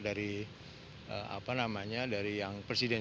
dari apa namanya dari yang presiden